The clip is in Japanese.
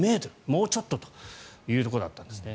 もうちょっとというところだったんですね。